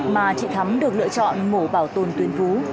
mà chị thắm được lựa chọn mổ bảo tồn tuyến vú